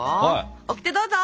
オキテどうぞ！